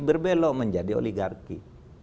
berbelok menjadi oligarki